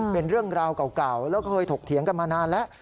เป็นเรื่องราวเก่าแล้วเคยถกเถียงกันมานานแล้ว